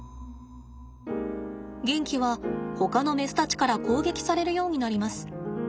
ゲンキはほかのメスたちから攻撃されるようになります。